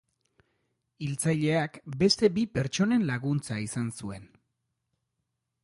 Hiltzaileak beste bi pertsonen laguntza izan zuen.